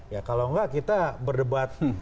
ya kalau enggak kita berdebat